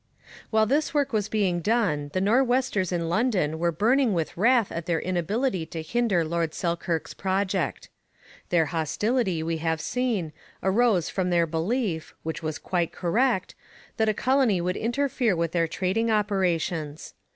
While this work was being done the Nor'westers in London were burning with wrath at their inability to hinder Lord Selkirk's project. Their hostility, we have seen, arose from their belief, which was quite correct, that a colony would interfere with their trading operations.